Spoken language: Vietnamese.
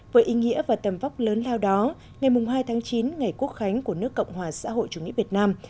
với ý nghĩa và tầm vóc lớn lao đó ngày hai tháng chín ngày quốc khánh của nước cộng hòa xã hội chủ nghĩa việt nam